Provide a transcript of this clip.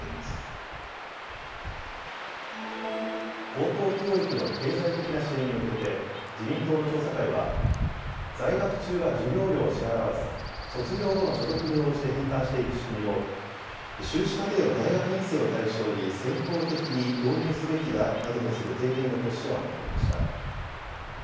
高等教育の経済的な支援に向けて自民党の調査会は在学中は授業料を支払わず卒業後の所得に応じて返還していく仕組みを修士課程の大学院生を対象に先行的に導入すべきだなどとする提言の骨子案をまとめました。